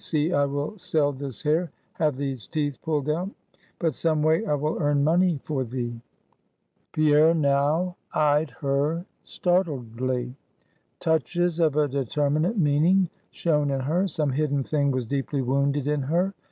See, I will sell this hair; have these teeth pulled out; but some way I will earn money for thee!" Pierre now eyed her startledly. Touches of a determinate meaning shone in her; some hidden thing was deeply wounded in her.